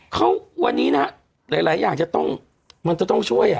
เขาวันนี้นะหลายอย่างมันจะต้องช่วย